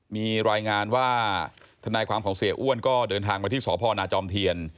มีรายงานว่าทนายความของเสียอ้วนก็เดินทางมาที่สพนาจอมเทียน